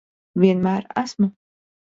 Vienmēr esmu.